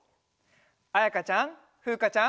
あやかちゃんふうかちゃん。